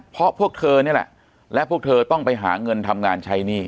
เพราะพวกเธอนี่แหละและพวกเธอต้องไปหาเงินทำงานใช้หนี้